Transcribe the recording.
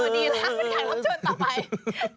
ดีแล้วเป็นแขกรับเชิญต่อไป